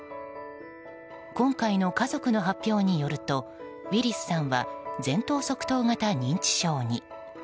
今回の家族の発表によるとウィリスさんは前頭側頭型認知症に。